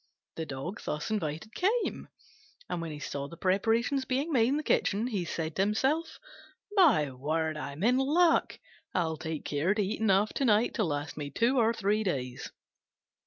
The Dog thus invited came, and when he saw the preparations being made in the kitchen he said to himself, "My word, I'm in luck: I'll take care to eat enough to night to last me two or three days."